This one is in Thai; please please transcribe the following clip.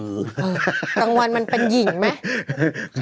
กลางวันมันเป็นหญิงไหม